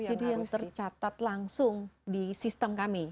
jadi yang tercatat langsung di sistem kami